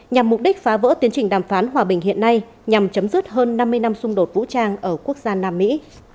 nhằm mục đích phá vỡ tiến trình đàm phán hòa bình hiện nay nhằm chấm dứt hơn năm mươi năm xung đột vũ trang ở quốc gia nam mỹ